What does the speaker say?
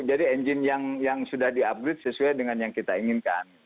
jadi engine yang sudah di upgrade sesuai dengan yang kita inginkan